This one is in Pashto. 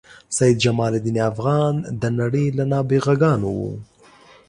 سید جمال الدین افغان د نړۍ له نابغه ګانو و.